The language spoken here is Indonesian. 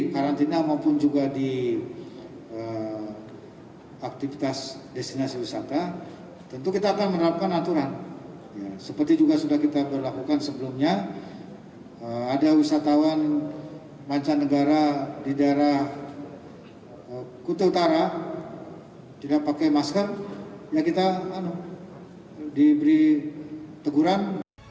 kami beri teguran